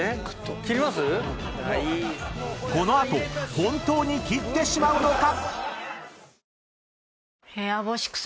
切ります⁉［この後本当に切ってしまうのか⁉］